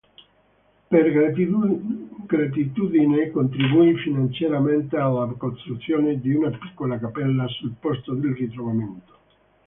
Per gratitudine contribuì finanziariamente alla costruzione di una piccola cappella sul posto del ritrovamento.